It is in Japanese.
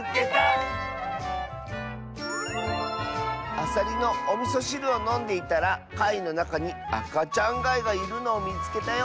「アサリのおみそしるをのんでいたらかいのなかにあかちゃんがいがいるのをみつけたよ」。